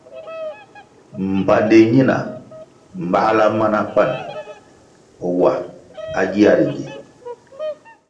Mbpandi ñina mbáhla ma na pan wa à gia ri gi.